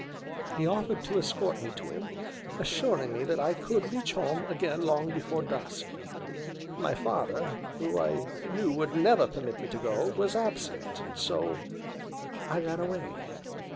He offered to escort me to him, assuring me that I could reach home again long before dusk. My father, who I knew would never permit me to go, was absent, and so I ran away.